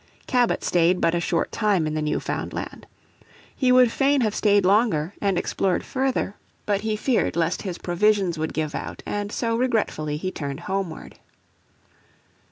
Cabot stayed but a short time in the new found land. He would fain have stayed longer and explored further, but he feared lest his provisions would give out, and so regretfully he turned homeward.